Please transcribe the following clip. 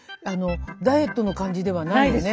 ダイエットの感じではないですね。